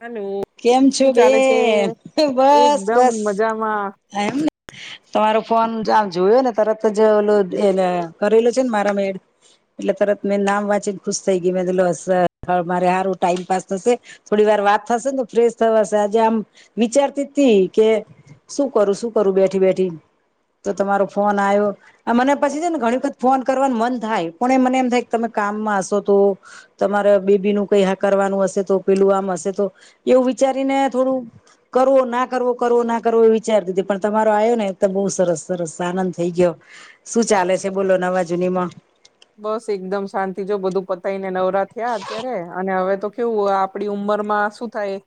Hello કેમ છો શું બે ચાલે છે બસ એકદમ બસ મજામાં થાથ એમ ને તમારો ફોન આમ જોયો ને તરત જ ઓલું એલે કરેલો છે, ને મારમા એડ એટલે તરત મેં નામ વાંચી ને ખુશ થઈ ગઈ મે [unintelligible] મારે હારું ટાઈમ પાસ થશે. થોડી વાર વાત થશે ને ફ્રેશ થવાશે આજે આમ વિચારતી તી કે શું કરું શું કરું બેઠી બેઠી તો તમારો ફોન આવ્યો. અ મને પછી છે, ને ઘણી વખત ફોન કરવાનું મન થાય પણ એ મને એમ થાય કે તમે કામમાં હશો તો તમારે બેબી નું કઈ હા કરવાનું હશે તો પેલું આમ હશે તો એવું વિચારીને થોડું કરવો ના કરવો કરવો ના કરવો એ વિચારતીતી પણ તમારો આવ્યો ને તો બો સરસ સરસ આનંદ થઈ ગયો. શું ચાલે છે, બોલો નવા જૂની માં બસ એકદમ શાંતિ જો બધું પતાયને નવરા થયાં અત્યારે અને હવે તો કેવું આપણી ઉંમરમાં શું થાય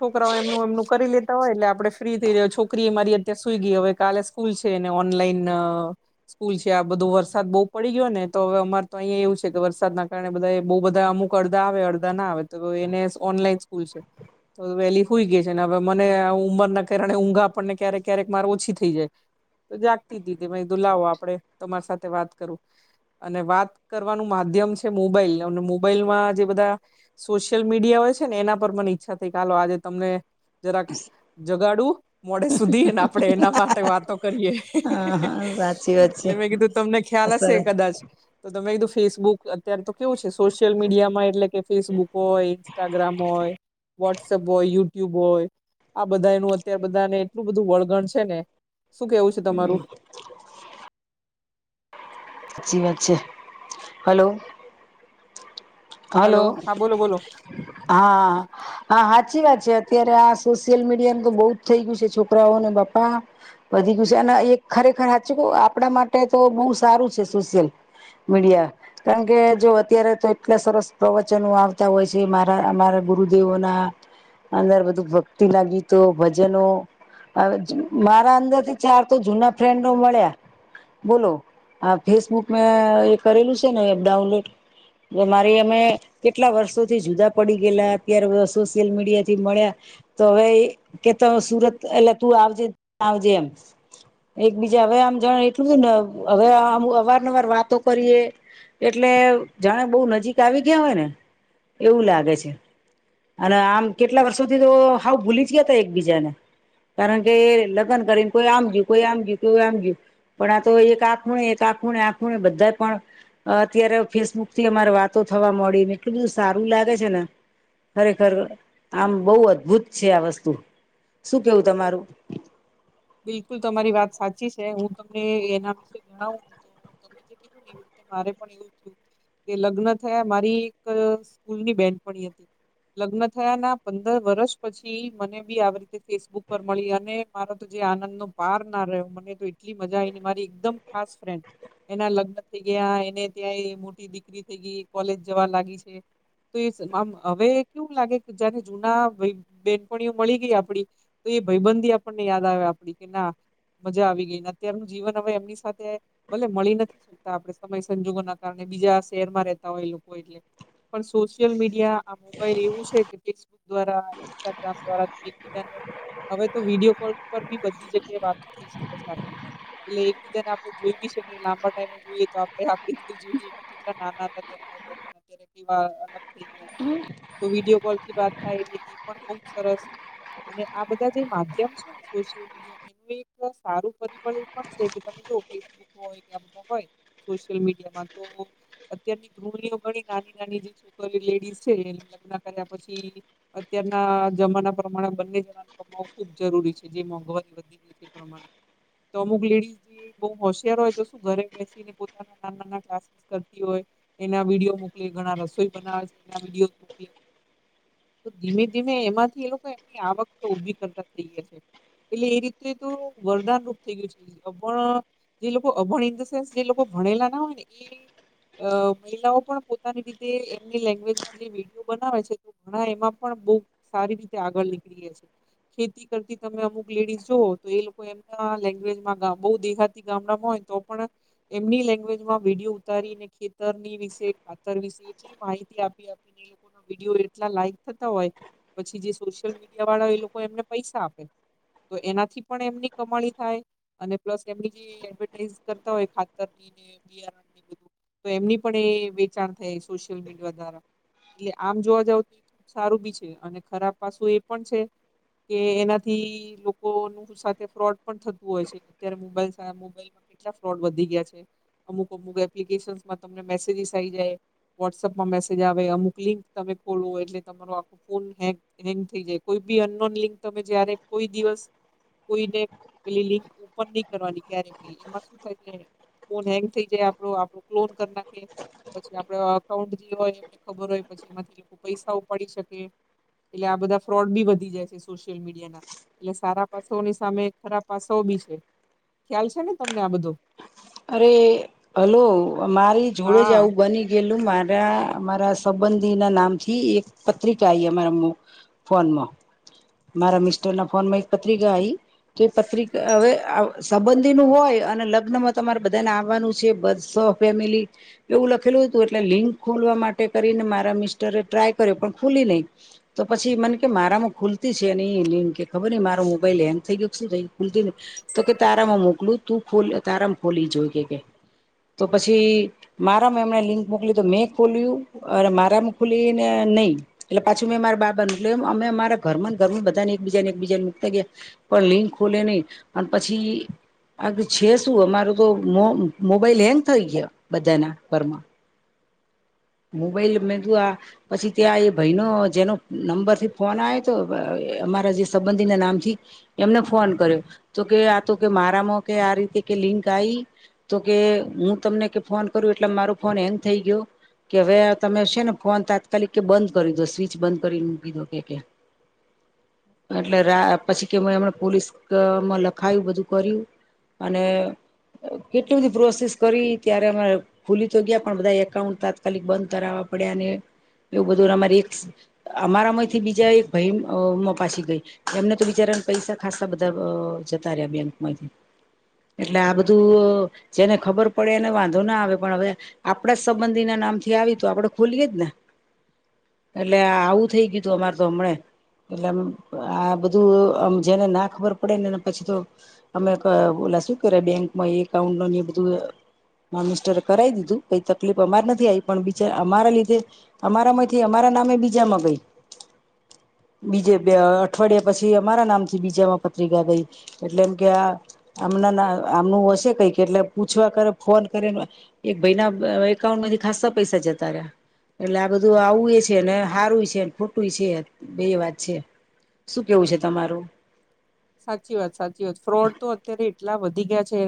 છોકરાઓ એમનું એમનું કરી લે તા હોય એટલે આપડે ફ્રી થઈ [unintelligible] છોકરી એ મારી અત્યારે સુઈ ગઈ હવે કાલે સ્કૂલ છે, એને ઓનલાઈન સ્કૂલ છે, આ બધો વરસાદ બો પડી ગયો ને તો હવે અમાર તો અહીંયા એવું છે, કે વરસાદના કારણે બધા બો બધા અમુક અડધા આવે અડધા ના આવે તો એને ઓનલાઈન [inaudible] વહેલી હૂઈ ગઈ છે, ને હવે મને ઉંમરના કારણે ઊંઘ આપણને ક્યારેક ક્યારેક મારે ઓછી થઈ જાય તો જાગતીતી તે મેં કીધું લાવ આપડે તમારી સાથે વાત કરું અને વાત કરવાનું માધ્યમ છે, મોબાઈલ અને મોબાઈલમાં જે બધા સોશિયલ મીડિયા હોય છે, ને એના પર મને ઈચ્છા થઈ હાલો આજે તમને જરાક જગાડું મોડે સુધીને આપડે એના માટે વાતો કરીએ. હા હા સાચી વાત છે એટલે મેં કીધું તમને ખ્યાલ સરસ હશે સાચી કદાચ તો મે કીધું ફેસબુક અત્યારે તો કેવું છે, સોશિયલ મીડિયામાં એટલે કે ફેસબુક હોય. ઇન્સ્ટાગ્રામ હોય, વોટ્સએપ હોય, યુટ્યુબ હોય, આ બધાનું અત્યાર બધાને એટલું બધું વળગણ છે, ને શું કેવું છે, તમારું? સાચી વાત છે, હાલો હલો હા બોલો બોલો હા. હા હાચી વાત છે અત્યારે આ સોશિયલ મીડિયાનું તો બહુ જ થઈ ગયું છે છોકરાઓને બાપા વધી ગયું છે અને એ ખરેખર સાચું કહું આપડા માટે તો બહુ સારું છે સોશ્યલ મીડિયા કારણ કે જો અત્યારે તો એટલા સરસ પ્રવચનો આવતા હોય છે મારા અમારા ગુરુદેવોના અંદર બધું ભક્તિના ગીતો ભજનો હવે જે મારા અંદર થી ચાર તો જૂના ફ્રેન્ડો મળ્યા બોલો. આ ફેસબુક મેં એ કરેલું છે ને એપ ડાઉનલોડ જે મારી એમે કેટલા વર્ષોથી જુદા પડી ગયેલા અત્યારે સોશિયલ મીડિયાથી મળ્યા તો હવે કેતો સુરત એટલે તું આવજે આવજે એમ. એક બીજા હવે આમ જાણ એટલું મધુ જ ને હવે આ આમ અવારનવાર વાતો કરીએ એટલે જાણે બહુ નજીક આવી ગયા હોય ને એવું લાગે છે. અને આમ કેટલા વર્ષોથી તો હાવ ભૂલી જ ગયા તા એકબીજા ને. કારણ કે લગ્ન કરીને કોઈ આમ ગ્યું કોઈ આમ ગયું કે આમ ગયું પણ આ તો એક આ ખૂણે આ ખુણે આ ખૂણે બધા પણ અત્યારે ફેસબુક થી અમારે વાતો થવા મળીને એટલું બધું સારું લાગે છે ને ખરેખર આમ બહુ અદભુત છે આ વસ્તુ. શું કેવું તમારું? બિલકુલ તમારી વાત સાચી છે. હું તમને એના વિશે જણાવું ને તો તમે [inaudible] મારે પણ એવું થયું કે લગ્ન થયા મારી એક સ્કૂલની બેનપણી હતી. લગ્ન થયા ના પંદર વર્ષ પછી મને બી આવી રીતે ફેસબુક પર મળી અને મારા જો એ આનંદ નો પાર ના રહ્યો મને તો એટલી મજા આવી ને મારી એકદમ ખાસ ફ્રેન્ડ. એના લગ્ન થઈ ગયા એને ત્યાંય મોટી દીકરી થઇ ગઈ કોલેજ જવા લાગી છે. તો એ આમ હવે કેવું લાગે કે જાણે જૂના બેન-બેનપણીઓ મળી ગઈ આપડી તો એ ભયબંધી આપણને યાદ આવે આપડી કે ના મજા આવી ગઈને અત્યારનું જીવન હવે એમની સાથે ભલે મળી નથી આપે સમય સંજોગો ના કારણે બીજા શહેરમાં રહેતા હોય એ લોકો એટલે. પણ સોશિયલ મીડિયા આ મોબાઈલ એવું છે કે દેશ દ્વારા ઈન્સ્ટાગ્રામ દ્વારા એકબીજાને હવે તો વિડીયો કાલ પર બી બધી જગ્યાએ વાતો થઈ શકે છે આપડી. એટલે એકબીજા ને આપડે જોઈ બી શકીએ લાંબા ટાઈમે જોઈએ તો આપડે આપડી રીતે જોઈએ તેટલા નાના હતા ત્યારે કે અત્યારે અહ [inaudible] હમ્મ. તો વિડીયો કોલ થી બાત થાય એટલે એ પણ બવ સરસ અને આ બધા જે માધ્યમ છે ને સોશિયલ મીડિયા એનું એક સારું પરિબળ એ પણ છે કે તમે જો ફેસબુક હોય કે આ બધા હોય સોશિયલ મીડિયામાં તો અત્યારની ગૃહિણીઓ નાની નાની જે છોકરીઓ લેડીઝ છે લગ્ન કર્યા પછી અત્યારના જમાના પ્રમાણે બંને જણા કમાવુ ખુબ જરૂરી છે જે મોંઘવારી વધી ગઈ છે પ્રમ માં તો અમુક લેડીઝ બી બવ હોશિયાર હોય તો શું ઘરે બેસીને પોતાના નાના નાના ક્લાસીસ કરતી હોય. એના વિડીયો મોકલે ઘણા રસોઈ બનાવે છે એના વિડીયો મોકલે. તો ધીમે ધીમે એમાંથી એ લોકો એમની આવક ઉભી કરતા થઈ ગયા છે. એટલે એ રીત તો વરદાન રૂપ થઈ ગયું છે પણ જે લોકો અભણ ઇન ધ સેન્સ જે લોકો ભણેલા ના હોય ને એ અ મહિલાઓ પણ પોતાની રીતે એમની લેંગ્વેજમાં જે વિડીયો બનાવે છે ઘણા એમાં પણ બો સારી રીતે આગળ નીકળીએ છે ખેતી કરતી તમે અમુક લેડીસ જુઓ તો એ લોકો એમના લેંગ્વેજમાં બહુ દેહાતી ગામડામાં હોય તો પણ એમની લેગ્વેજમાં વિડીયો ઉતારીને ખેતરની વિશે, ખાતર વિશે જે માહિતી આપી આપીને લોકોના વિડીયો એટલા લાઈક થતા હોય પછી જે સોશિયલ મીડિયાવાળા એ લોકો એમને પૈસા આપે. તો એનાથી પણ એમની કમાણી થાય. અને પ્લસ એમની જે એડવર્ટાઈઝ કરતા હોય ખાતરની ને બિયારણની બધી તો એમની પણ એ વેચાણ થાય સોશિયલ મીડિયા દ્વારા એટલે આમ જોવા જાવ તો એ ખુબ સારું બી છે અને ખરાબ પાસું એ પણ છે કે એના થી લોકોનું સાથે ફ્રોડ પણ થતું હોય છે અત્યારે મોબાઈલ દ્વારા મોબાઈલ કેટલા ફ્રોડ વધી ગયા છે અમુક અમુક એપ્લિકેશમાં તમને મેસેજસ આવી જાય. વોટ્સઅપમાં મેસેજ આવે અમુક લિંક તમે ખોલો એટલે તમારો આખો ફોન હેક હેંગ થઈ જાય કોઈ બી અનનોન લિંક તમે જ્યારે કોઈ દિવસ કોઈને પેલી લિંક ઓપનની કરવાની ક્યારે બી એમાં શું થાય છે ફોન હેંગ થઈ જાય આપડો આપડો ક્લોન કરી નાખે પછી આપડે એકાઉન્ટ જે હોય એમને ખબર હોય પછી એમાંથી પૈસા ઉપાડી શકે. એટલે આ બધા ફ્રોડ બી વધી જાય છે સોશિયલ મીડિયાના એટલે સારા પાસાઓની સામે ખરાબ પાસાઓ બી છે ખ્યાલ છે ને આ બધો? અરે હલો મારી જોડે જ હા આવું બની ગેલું મારા મારા સંબંધીના નામથી એક પત્રિકા આયી અમારામ ફોનમાં મારા મિસ્ટરના ફોનમાં એક પત્રિકા આઈ તે પત્રિ હવે આ સંબંધીનું હોય અને લગ્નમાં તમાર બધાને આવાનું છે સહ ફેમિલી એવું લખેલું હતું એટલે લિંક ખોલવા માટે કરીને મારા મિસ્ટરે ટ્રાય કર્યો પણ ખૂલી નહી તો પછી મને કે મારામાં ખુલતી છે ની લિંક કે ખબરની મારો મોબાઈલ હેંગ થઈ ગયો કે શું તો ખુલતીની તો કે તારામાં મોકલું તું ખોલ તારામાં ખોલી જોઈએ કે તો પછી મારામાં એમણે લિંક મોકલી તો મેં ખોલ્યું અને મારામાં ખોલીને નય એટલે પાછું મેં માર બાબા મોકલ્યું એટલે અમે અમારા ઘરમાં ને ઘરમાં બધાને એકબીજાને એકબીજાને મુકતા ગયા પણ લિંક ખોલે નહી અને પછી આ છે શું અમારું તો મો મોબાઈલ હેંગ થઈ ગયો બધાના ઘરમાં મોબાઈલ મે તો આ પછી ત્યાં એ ભાઈનો જેનો નંબરથી ફોન આયો તો અમારા જે સંબંધીના નામથી એમને ફોન કર્યો તો કે આ તો કે મારામાં કે આ રીતે લિંક આયી તો કે હું તમને ફોન કરું એટલે મારો ફોન હેંગ થઈ ગયો કે હવે તમે છે ને ફોન તાત્કાલિક કે બંધ કરી દો સ્વિચ બંધ કરી મૂકી દો કે કે [inaudible] એટલે રા પછી કે એમણે પોલીસમાં લખાયું બધું કર્યું. અને કેટલી બધી પ્રોસેસ કરી ત્યારે અમાર ખુલી તો ગયા પણ બધા એકાઉન્ટ તાત્કાલિક બંધ કરાવવા પડ્યા અને એવું બધું અમારે એક અમારામાંથી બીજા એક ભાઈ પાસે ગઈ. એમને તો બિચારાને પૈસા ખાસા બધા જતા રહ્યા બેંકમાંથી એટલે આ બ ધું જેને ખબર પડે એને વાંધો ના આવે પણ હવે આપણા સંબંધીના નામથી આવી તો આપણે ખોલીએ જ ને એટલે આવું થઇ ગયું તું અમાર તો હમણાં. એટલે આ બધું આમ જેને ના ખબર પડે નેને પછી તો અમે ઓલા શું કરે બેંકમાં એકાઉન્ટનું ને એ બધું. મા મિસ્ટરે કરાવી દીધું કઈ તકલીફ અમારે નથી આવી પણ બિચાર અમારા લીધે. અમારા માંથી અમારા નામે બીજા મંગાઈ બીજે બે અઠવાડિયા પછી અમારા નામથી બીજામાં પત્રિકા ગઈ. એટલે એમ કે આ આમના આમનું હશે કઈક એટલે પૂછવા કરે ફોન કરીને એક ભાઈ ના એકાઉન્ટ માંથી ખાસા પૈસા જતા રહ્યા. એટલે આ બધું આવું એ છે ને હારું છે ને ખોટું છે બે વાત છે. શું કેવું છે તમારું સાચી વાત સાચી વાત ફ્રોડ તો અત્યારે એટલા વધી ગયા છે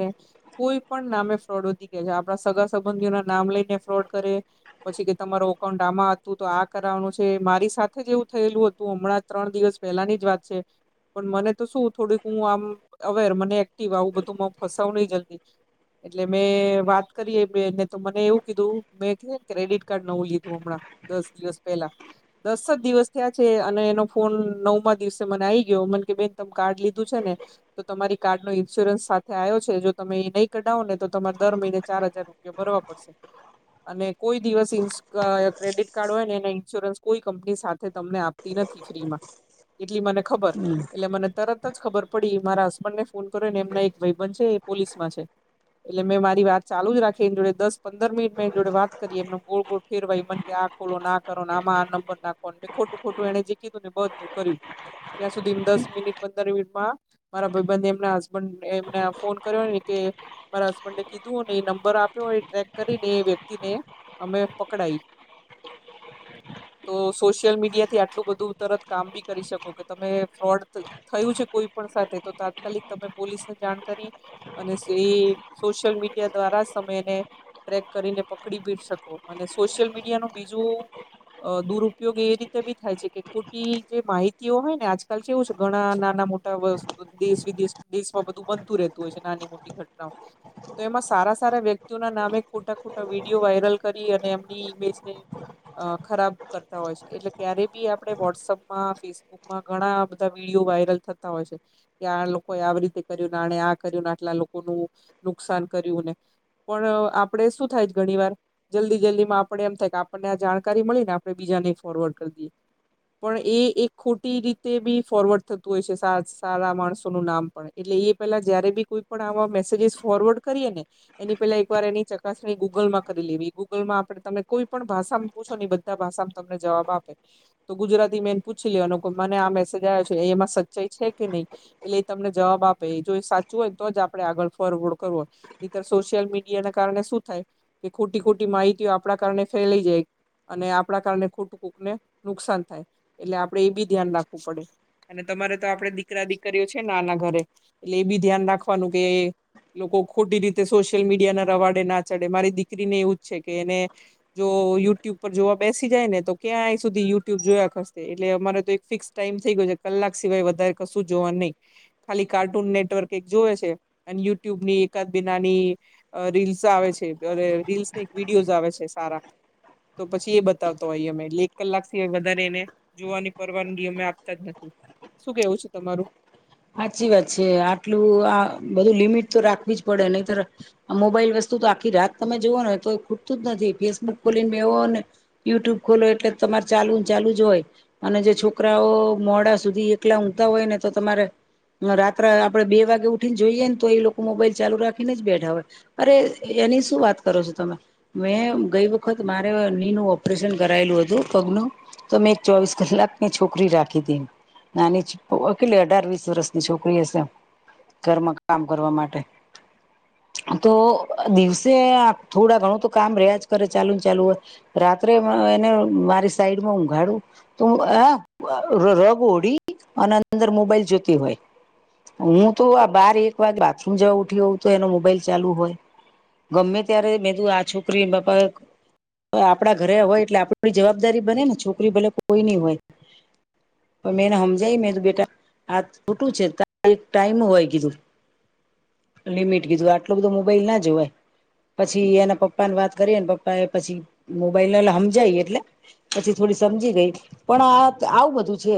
કોઈ પણ નામે ફ્રોડ વધી ગયા આપણા સગા સંબંધીઓના નામ લઈને ફ્રોડ કરે. પછી કે તમારો અકાઉન્ટ આમાં હતું તો આ કરવાનું છે મારી સાથે એવું થયેલું હતું હમણાં જ ત્રણ દિવસ પહેલાની જ વાત છે પણ મને તો શું થોડીક હું આમ અવેર મને એક્ટિવ આવું બધું ફસાવું નહી જલ્દી એટલે મેં વાત કરીએ બેને તો મને એવું કીધું મેં કીધે ને ક્રેડિટ કાર્ડ નવું લીધું હમણાં. દસ દિવસ પહેલા દસ જ દિવસ ત્યાં છે અને એનો નવ દિવસે આ આવી ગયો મને કે બેન કાર્ડ લીધું છે ને તો તમારી કાર્ડ નો ઇન્સ્યોરન્સ સાથે આવ્યો છે જો તમે એ નહીં કઢાવો ને તો તમારે દર મહિને ચાર હજાર રૂપિયા ભરવા પડશે. અને કોઈ દિવસ ઇન્સ ક્રેડિટ કાર્ડ હોય ને એના ઇન્સ્યોરન્સ કોઈ કંપની સાથે તમને આપ નથી ફ્રીમાં એટલી મને ખબર હમ એટલે મને તરત જ ખબર પડી મારા હસબન્ડ ને ફોન કર્યો ને એમના એક ભાઈબંધ છે એ પોલીસમાં છે. એટલે મે મારી વાત ચાલુ જ રાખી એની જોડે દસ પંદર મિનિટ મેં એની જોડે વાત કરી એમ ને ગોળ ગોળ. ફેર વાઈ મને કે આ ખોલો ના કરો આમાં આ નંબર નાખો ખોટું ખોટું એને જે કીધું ને એ બધું કર્યું ત્યાં સુધી દસ મિનિટ પંદર મિનિટમાં મારા ભાઈબંધ એમના હસબન્ડને એમને ફોન કર્યોને કે મારા હસબન્ડે કીધું ને એ નંબર આપ્યો એ ટ્રેક કરીને એ વ્યક્તિને અમે પકડાય. તો સોશિયલ મીડિયા થી આટલું બધું તરત કામ બી કરી શકો કે તમે ફ્રોડ થયું છે કોઈ પણ સાથે તો તાત્કાલિક તમે પોલીસને જાણ કરી. અને સે સોશિયલ મીડિયા દ્વારા સમયને ટ્રેક કરીને પકડી ભી શકો અને સોશિયલ મીડિયાનું બીજું અ દુરુપયોગ એવી રીતે બી થાય છે કે ખોટી જે માહિતીઓ હોય ને આજકાલ કેવું છે ગ અ નાના મોટા દેશ વિદેશ દેશમાં બધું બનતું રહેતું હોય છે નાની મોટી ઘટનાઓ તો એમાં સારા સારા વ્યક્તિઓના નામે ખોટા ખોટા વિડીયો વાયરલ કરી અને એમની ઇમેજને અ ખરાબ કરતા હોય છે. એટલે ક્યારે બી આપણે વોટ્સઅપમાં ફેસબુકમાં ઘણા બધા વિડીયો વાયરલ થતા હોય છે. કે આ લોકોએ આવી રીતે કર્યું ને આને આ કર્યુંને આટલા લોકો ન નુકસાન કર્યું ને પણ આપણે શું થાય છે ઘણી વાર જલ્દી જલ્દી માં આપણે એમ થાય કે આપણને જાણકારી મળીને આપણે બીજાને ફોરવર્ડ કરી દઈએ પણ એ એક ખોટી રીતે બી ફોરવર્ડ થતું હોય છે સા સારા માણસોનું નામ પણ એટલે એ પેલા જ્યારે બી કોઈ પણ આવા મેસેજીસ ફોરવર્ડ કરીએે ને એની પેલા એક વાર એની ચકાસણી ગૂગલમાં કરી લેવી ગૂગલમાં આપડે તમે કોઈ પણ ભાષા પૂછો બધા ભાષામાં તમને જવાબ આપે તો ગુજરાતી મે એ પૂછી લેવાનો કે મને આ મેસ સજાયો છે એ એમાં સચ્ચાઈ છે કે નહીં? એટલે એ તમને જવાબ આપે જો એ સાચું હોય તો જ આપણે આગળ ફોરવર્ડ કરવું હોય. એતર સોશિયલ મીડિયાના કારણે શું થાય કે ખોટી ખોટી માહિતી આપડા કારણે ફેલાઈ જાય. અને આપડા કારણે ખોટું કૂકને નુકસાન થાય એટલે આપડે એ બી ધ્યાન રાખ વુ પડે અને તમારે તો આપડે દીકરા દીકરીઓ છે ને આના ઘરે એટલે એ બી ધ્યાન રાખવાનું કે લોકો ખોટી રીતે સોશિયલ મીડિયા ના રવાડે ના ચડે મારી દીકરીને એવું જ છે કે એને જો યુટ્યુબ પર જોવા બેસી જાય ને તો ક્યાંય સુધી યુટ્યુબ જોયા કરશે એટલે અમારે તો એક ફિક્સ ટાઈમ થઈ ગયો છે કલાક સિવાય વધારે કશું જોવાનું નહી. ખાલી કાર્ટૂન નેટવર્ક એક જોવે છે અને યુટ્યુબ ની એકાદ બિનાની અહ રીલ્સ આવે છે રીલ્સની એક વિડીયોઝ આવે છે સારા તો પછી એ બતાવતો હોઈ અમે એટલે એક કલાકથી વધારે એને જોવાની પરવાનગી અમે આપ તાજ નથી શું કેવું છે તમારું? હાચી વાત છે. આટલું આ બધું લિમિટ તો રાખવી જ પડે નહીતર આ મોબાઈલ વસ્તુ તો આખી રાત તમે જુઓ ને તો ખુટતું જ નથી ફેસબુક ખોલીને બેહો ને યુટ્યુબ ખોલો એટલે તમારે ચાલુ ને ચાલુ જ હોય. અને જે છોકરાઓ મોડા સુધી એકલા ઊંઘતા હોય ને તો તમારે રાત્રા આપડે બે વાગે ઉઠી ને જોઈએ ને તો એ લોકો મોબાઈલ ચાલુ રાખીને જ બેઠા હોય. અરે એની શું વાત કરો છો તમે. મેં ગઈ વખત મારે ની નું ઓપરેશન કરાયેલું હતું પગનું. તો મેં એક ચોવીસ કલાક ની છોકરી રાખી તી નાની જ કેટલી અઢાર વીસ રસ ની છોકરી હશે ઘરમાં કામ કરવા માટે. તો દિવસે આ થોડા ઘણું તો કામ રહ્યાજ કરે ચાલુ ને ચાલુ હોય. રાત્રે એને મારી સાઈડમાં ઊઘાડું તો હ રગ ઉડી અને અંદર મોબાઈલ જોતી હોય. હું તો આ બાર એક વાગે બાથરૂમ જવા ઉઠી હોઉં તો એનો મોબાઈલ ચાલુ હોય ગમે ત્યારે મેં તું આ છોકરી બાપા તો આપડા ઘરે હોય એટલે આપડી જવાબદારી બને ને છોકરી ભલે કોઈ ની હોય. પણ મેં એને હમજાય મેં તો બેટા આ ખોટું છે ત એક ટાઈમ હોય કીધું. લિમિટ કીધું આટલો બધો મોબાઈલ ના જોવાય. પછી એના પપ્પા ની વાત કરી એના પપ્પાએ પછી મોબાઈલલે હમજાય એટલે પછી થોડી સમજી ગઈ પણ આ આવું બધું છે.